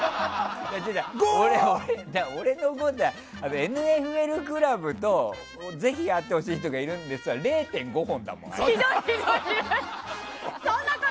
俺の５は、「ＮＦＬ倶楽部」と「ぜひ会ってほしい人がいるんです」は０．５本だもん。